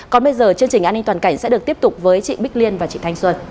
còn bây giờ chương trình an ninh toàn cảnh sẽ được tiếp tục với chị bích liên và chị thanh xuân